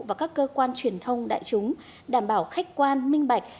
và các cơ quan truyền thông đại chúng đảm bảo khách quan minh bạch